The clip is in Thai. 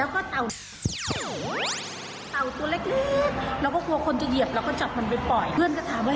พระดงมันจะขูดกับถนนนะเนอะ